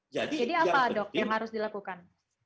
apa dok yang harus dilakukan